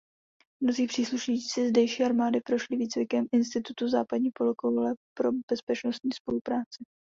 Mnozí příslušníci zdejší armády prošli výcvikem Institutu západní polokoule pro bezpečnostní spolupráci.